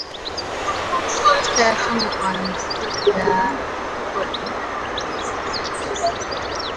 شەو لە کەرکووک بە ترس و لەرزەوە بەسەرمان برد